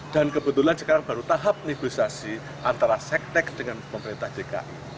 dan kebetulan sekarang baru tahap negosiasi antara sektek dengan pemerintah jk